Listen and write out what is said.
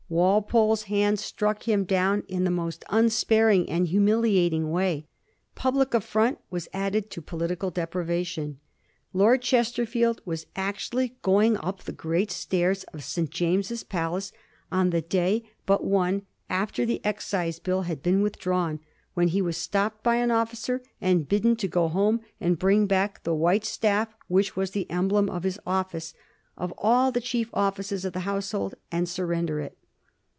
Walpole's hand struck him down in the most unsparing and humiliating way. Public affront was add ed to political deprivation. Lord Chesterfield was actu ally going up the great stairs of St. James's Palace, on the day but one after the Excise Bill had been withdrawn, when he was stopped by an official and bidden to go home and bring back the white staff which was the emblem of his office, of all the chief offices of the Household, and surrender it.